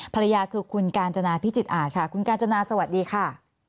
ภรรยาคือคุณกาญจนาพิจิตอาจค่ะคุณกาญจนาสวัสดีค่ะ